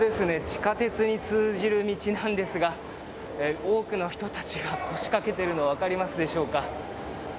地下鉄に通じる道なんですが多くの人たちが腰掛けているのが分かりますでしょうか。